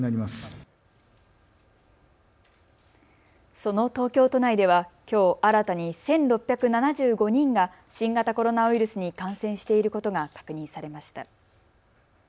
その東京都内では、きょう新たに１６７５人が新型コロナウイルスに感染していることが確認されました。